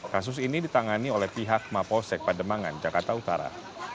kasus ini ditangani oleh pihak mapolsek pademangan jakarta utara